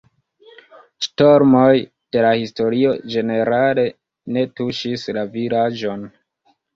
Ŝtormoj de la historio ĝenerale ne tuŝis la vilaĝon.